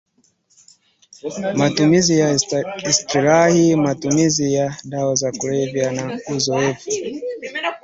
matumizi ya istilahi matumizi ya dawa za kulevya na uzoevu